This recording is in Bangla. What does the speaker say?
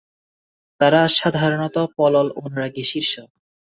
তারা সাধারণত পলল অনুরাগী শীর্ষ।